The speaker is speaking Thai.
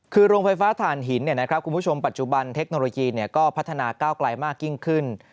คือโรงไฟฟ้าฐานหินคุณผู้ชมปัจจุบันเทคโนโลยีก็พัฒนาก้าวไกลมากยิ่งขึ้น